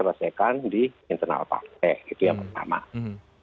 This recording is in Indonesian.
persoalan persoalan internal pak lte selesaikan di internal pak lte itu yang pertama